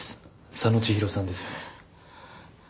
佐野千広さんですよね？